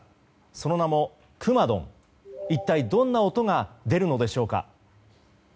その名もくまドン、一体どんな音が出るのでしょうか。